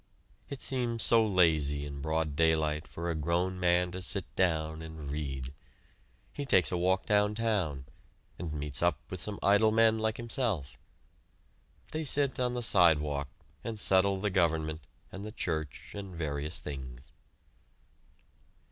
It seems so lazy in broad daylight for a grown man to sit down and read. He takes a walk downtown, and meets up with some idle men like himself. They sit on the sidewalk and settle the government and the church and various things.